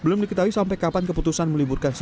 belum diketahui sampai kapan keputusan meliburkan